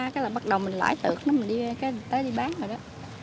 cái là bắt đầu mình lãi tượng mình đi tết đi bán rồi đó